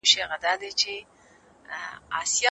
خپل کاروبار ته نوې روح ورکړه.